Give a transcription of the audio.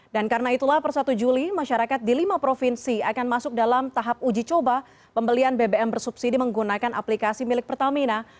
dan karena itulah per satu juli masyarakat di lima provinsi akan masuk dalam tahap uji coba pembelian bbm bersubsidi menggunakan aplikasi milik pertamina